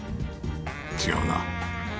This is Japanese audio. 違うな。